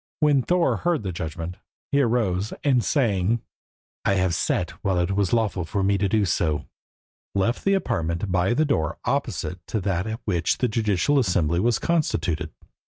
When Thorer heard the judgment, he arose, and saying "I have sat while it was lawful for me to do so," left the apartment by the door opposite to that at which the judicial assembly was constituted.